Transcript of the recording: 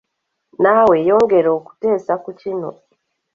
Naawe yongera okuteesa ku kino!!